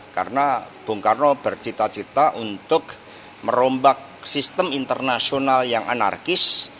karena bung karno bercita cita untuk merombak sistem internasional yang anarkis